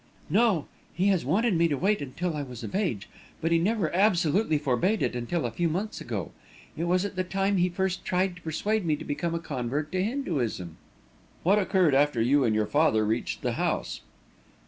"No; he has wanted me to wait until I was of age; but he never absolutely forbade it until a few months ago. It was at the time he first tried to persuade me to become a convert to Hinduism." "What occurred after you and your father reached the house?"